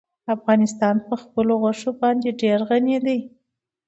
افغانستان په خپلو غوښې باندې ډېر غني دی.